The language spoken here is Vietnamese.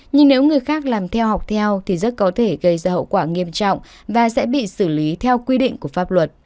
nhưng nếu người khác làm theo học theo thì rất có thể gây ra hậu quả nghiêm trọng và sẽ bị xử lý theo quy định của pháp luật